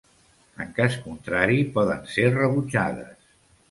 En cas contrari poden ser rebutjades.